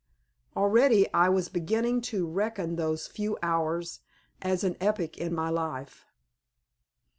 Already I was beginning to reckon those few hours as an epoch in my life.